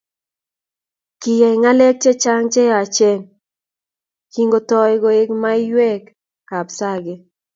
Kiyai ngalek chechang cheyachen kingotoy koee manywek kab Sake